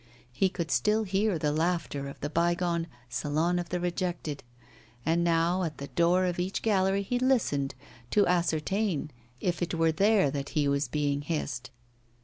He could still hear the laughter of the bygone Salon of the Rejected. And now at the door of each gallery he listened to ascertain if it were there that he was being hissed.